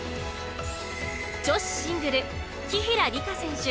女子シングル紀平梨花選手